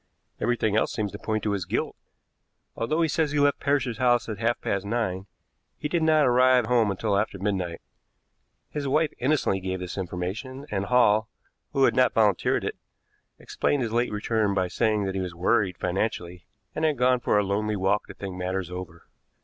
Everything else seems to point to his guilt. Although he says he left Parrish's house at half past nine, he did not arrive home until after midnight. His wife innocently gave this information, and Hall, who had not volunteered it, explained his late return by saying that he was worried financially, and had gone for a lonely walk to think matters over.